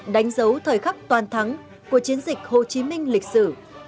đánh dấu thời khắc toàn thắng của chiến dịch hồ chí minh lịch sử